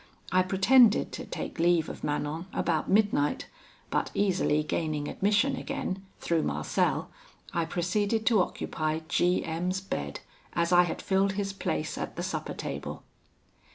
I pretended to take leave of Manon about midnight, but easily gaining admission again, through Marcel, I proceeded to occupy G M 's bed, as I had filled his place at the supper table.